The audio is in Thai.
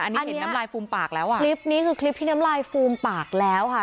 อันนี้เห็นน้ำลายฟูมปากแล้วอ่ะคลิปนี้คือคลิปที่น้ำลายฟูมปากแล้วค่ะ